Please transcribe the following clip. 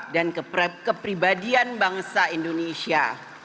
dan kepribadian bangsa indonesia